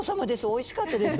おいしかったです。